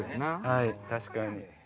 はい確かに。